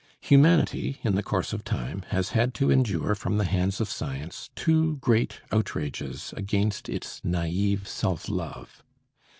Humanity, in the course of time, has had to endure from the hands of science two great outrages against its naive self love.